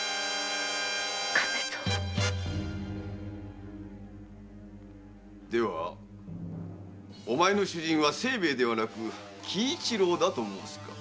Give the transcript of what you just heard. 亀蔵⁉お前の主人は清兵衛ではなく喜一郎だと申すか？